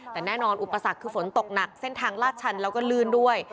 แต่แน่นอนอุปสรรคคือฝนตกหนักเส้นทางลาดชันแล้วก็ลื่นด้วย